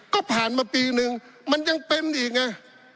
ก็ผ่านมาปีนึงมันยังเป็นอีกไง